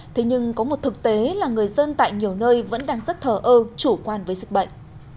thế nhưng có một thực tế là người dân tại nhiều nơi vẫn đang rất thờ ơ chủ quan với dịch bệnh